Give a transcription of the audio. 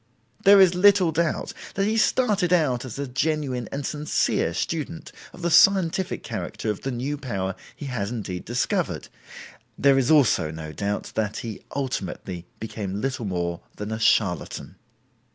There is little doubt that he started out as a genuine and sincere student of the scientific character of the new power he had indeed discovered; there is also no doubt that he ultimately became little more than a charlatan.